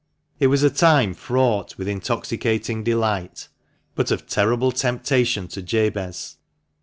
It was a time fraught with intoxicating delight, but ol terrible temptation to Jabez.